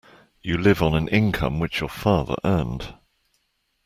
You live on an income which your father earned.